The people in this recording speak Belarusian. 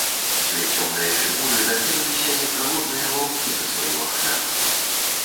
Дзве цёмныя фігуры накінуліся, як галодныя ваўкі, на сваю ахвяру.